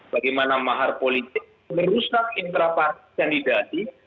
bagaimana mahar politik merusak intrapartisi kandidasi